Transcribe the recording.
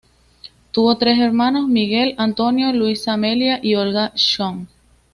Tuvo tres hermanos: Miguel Antonio, Luisa Amelia y Olga Schön.